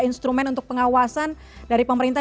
instrumen untuk pengawasan dari pemerintah